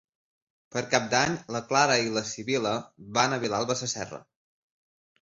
Per Cap d'Any na Clara i na Sibil·la van a Vilalba Sasserra.